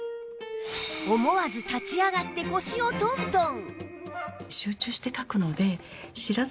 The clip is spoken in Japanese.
思わず立ち上がって腰をトントン